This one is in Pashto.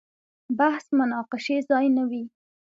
بحث مناقشې ځای نه وي.